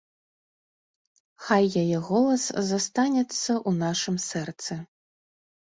Хай яе голас застанецца ў нашым сэрцы.